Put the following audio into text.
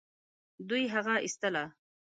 دوی هغه ايستله.